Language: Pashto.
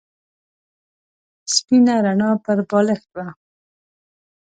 سپینه رڼا پر بالښت وه.